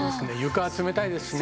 床は冷たいですしね。